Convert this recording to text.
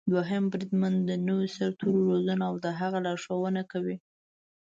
دوهم بریدمن د نويو سرتېرو روزنه او د هغوی لارښونه کوي.